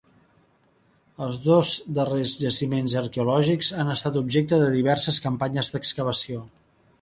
Els dos darrers jaciments arqueològics han estat objecte de diverses campanyes d'excavació.